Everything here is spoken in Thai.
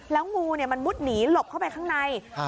แล้วงูเนี้ยมันมุดหนีหลบเข้าไปข้างในค่ะ